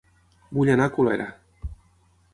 Vull anar a Colera